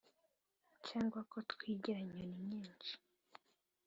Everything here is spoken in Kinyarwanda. Cyangwa ko twigira nyoni-nyinshi